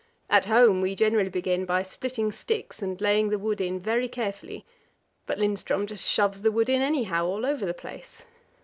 At home we generally begin by splitting sticks and laying the wood in very carefully. But Lindström just shoves the wood in anyhow, all over the place.